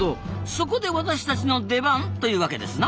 そこで私たちの出番というわけですな！